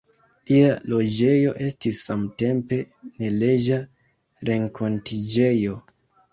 Lia loĝejo estis samtempe neleĝa renkontiĝejo.